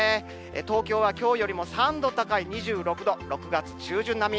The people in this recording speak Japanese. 東京はきょうよりも３度高い２６度、６月中旬並み。